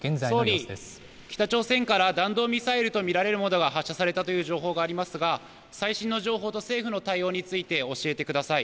総理、北朝鮮から弾道ミサイルと見られるものが発射されたという情報がありますが、最新の情報と政府の対応について教えてください。